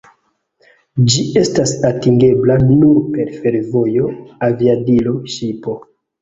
Ĝi estas atingebla nur per fervojo, aviadilo, ŝipo.